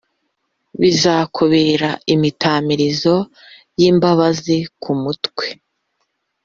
Bizakubera imitamirizo y’imbabazi ku mutwe,